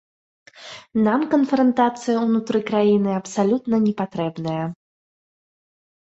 Нам канфрантацыя ўнутры краіны абсалютна не патрэбная.